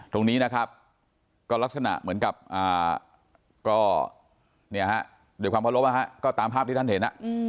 ตรงนี้นะครับก็ลักษณะเหมือนกับก็ด้วยความเคารพก็ตามภาพที่ท่านเห็น